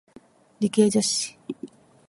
理系女性